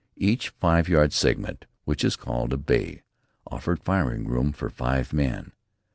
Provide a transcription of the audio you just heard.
Each five yard segment, which is called a "bay," offered firing room for five men.